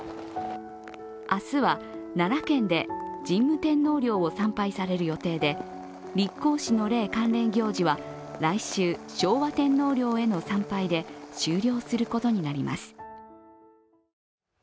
明日は奈良県で神武天皇陵を参拝される予定で立皇嗣の礼関連行事は来週昭和天皇陵への参拝で終了することになります。